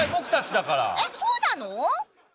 えっそうなの？